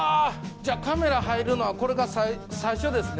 じゃカメラ入るのはこれが最初ですね？